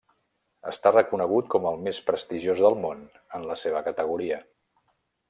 Està reconegut com el més prestigiós del món en la seva categoria.